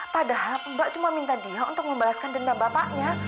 padahal mbak cuma minta dia untuk membalaskan dendam bapaknya